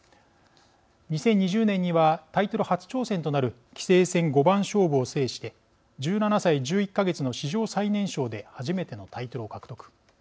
２０２０年にはタイトル初挑戦となる棋聖戦五番勝負を制して１７歳１１か月の史上最年少で初めてのタイトルを獲得。